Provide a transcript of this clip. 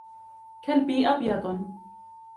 كلبي أبيض.